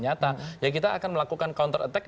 nyata ya kita akan melakukan counter attack